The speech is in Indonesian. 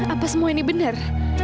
apa semua ini benar